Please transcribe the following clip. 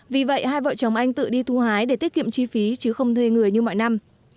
vì vậy hai vợ chồng anh tự đi thu hái để tiết kiệm chi phí chứ không thuê người như mọi năm